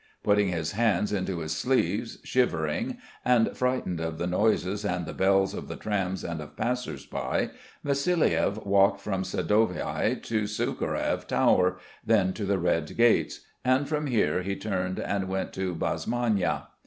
Putting his hands into his sleeves, shivering, and frightened of the noises and the bells of the trams and of passers by, Vassiliev walked from Sadovaia to Sukhariev Tower then to the Red Gates, and from here he turned and went to Basmannaia.